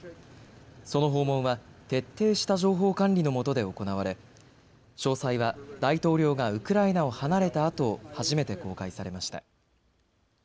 その訪問は徹底した情報管理のもとで行われ詳細は大統領がウクライナを離れたあと初めて公開されました。